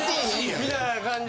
みたいな感じで。